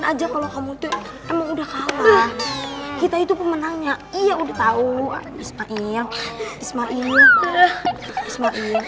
aja kalau kamu tuh emang udah kata kita itu pemenangnya iya udah tahu ismail ismail ismail